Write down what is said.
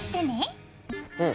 うん。